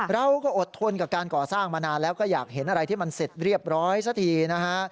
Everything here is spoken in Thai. เราก็อดทนกับการก่อสร้างมานานแล้วก็อยากเห็นอะไรที่มันเสร็จเรียบร้อยสักทีนะฮะ